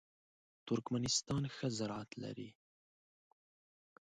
ترکمنستان ښه زراعت لري.